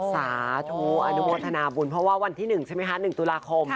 สาธุอนุโมทนาบุญเพราะว่าวันที่๑ใช่ไหมคะ๑ตุลาคม